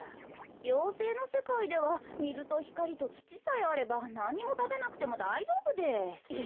妖精のせかいではみずとひかりとつちさえあればなんにもたべなくてもだいじょうぶです。え！